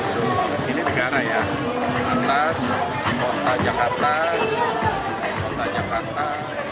cuma ini negara ya atas kota jakarta